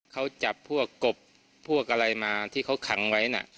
เขาจับพวกกบพวกอะไรมาที่เขาขังไว้น่ะ